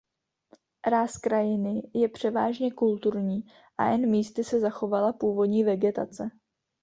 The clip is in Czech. Ráz krajiny je převážně kulturní a jen místy se zachovala původní vegetace.